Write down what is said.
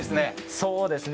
そうですね。